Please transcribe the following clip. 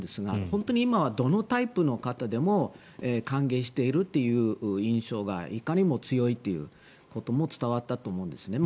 本当に今はどのタイプの方でも歓迎しているという印象がいかにも強いということも伝わったと思うんですね。